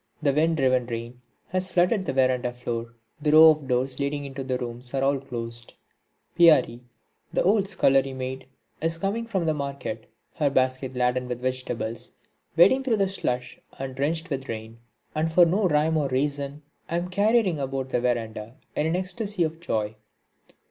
The wind driven rain has flooded the verandah floor. The row of doors leading into the rooms are all closed. Peari, the old scullery maid, is coming from the market, her basket laden with vegetables, wading through the slush and drenched with the rain. And for no rhyme or reason I am careering about the verandah in an ecstasy of joy.